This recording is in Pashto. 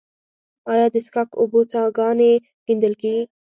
آیا د څښاک اوبو څاګانې کیندل کیږي؟